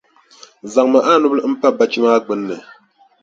Zaŋmi a nubila m-pa bachi maa gbunni.